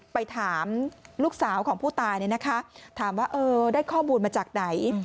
ไปถามลูกสาวของผู้ตายเนี่ยนะคะถามว่าเออได้ข้อมูลมาจากไหน